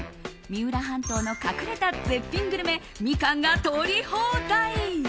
三浦半島の隠れた絶品グルメミカンが取り放題。